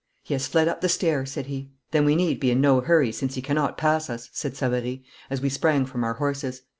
'He has fled up the stair,' said he. 'Then we need be in no hurry, since he cannot pass us,' said Savary, as we sprang from our horses.